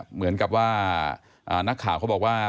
เหมือนกับว่านักข่าวเขาบอกว่า